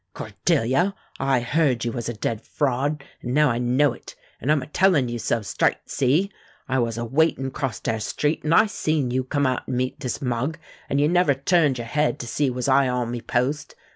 Cordelia, I heard you was a dead fraud, an' now I know it, and I'm a tellin' you so, straight see? I was a waitin' 'cross der street, an' I seen you come out an' meet dis mug, an' you never turned yer head to see was I on me post.